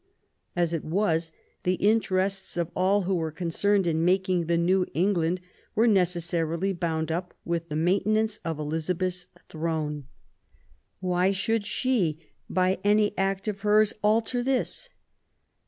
As it was, the interests of all who were concerned in making the new England were necessarily bound up with the maintenance of Elizabeth*s throne. Why should she, by any act of hers, alter this